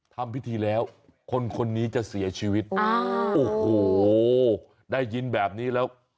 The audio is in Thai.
ทำพิธีแล้วคนคนนี้จะเสียชีวิตอ่าโอ้โหได้ยินแบบนี้แล้ว